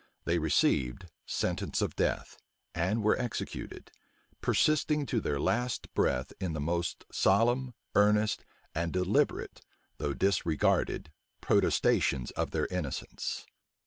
They received sentence of death, and were executed, persisting to their last breath in the most solemn, earnest, and deliberate, though disregarded protestations of their innocence.